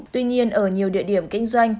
tuy nhiên ở nhiều địa điểm kinh doanh